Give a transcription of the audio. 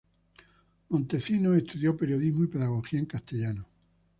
Montecinos estudió periodismo y pedagogía en castellano.